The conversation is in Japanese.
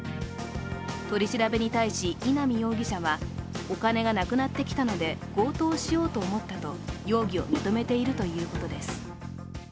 取り調べに対し、稲見容疑者はお金がなくなってきたので強盗をしようと思ったと容疑を認めているということです。